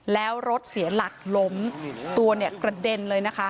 แล้วรถเสียหลักล้มตัวเนี่ยกระเด็นเลยนะคะ